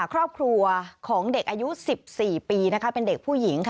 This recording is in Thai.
ครอบครัวของเด็กอายุ๑๔ปีเป็นเด็กผู้หญิงค่ะ